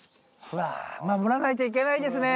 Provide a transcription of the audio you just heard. うわ守らないといけないですね